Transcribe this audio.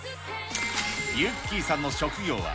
ゆっｋｅｙさんの職業は、